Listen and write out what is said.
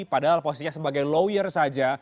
padahal posisinya sebagai lawyer saja